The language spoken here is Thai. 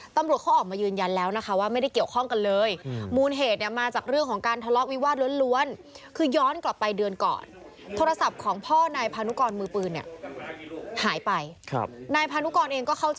ตำรวจเขาออกมายืนยันแล้วนะคะ